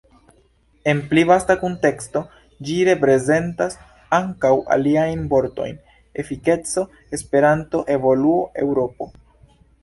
En pli vasta kunteksto ĝi reprezentas ankaŭ aliajn vortojn: Efikeco, Esperanto, Evoluo, Eŭropo.